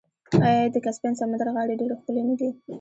آیا د کسپین سمندر غاړې ډیرې ښکلې نه دي؟